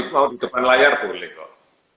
kalau di depan layar boleh kok